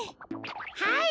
はい！